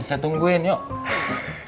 saya tungguin yuk